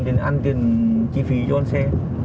tiền ăn tiền chi phí cho con xe